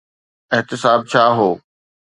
احتساب ڇا هو؟